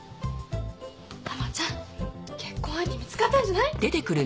ハマちゃん結婚相手見つかったんじゃない？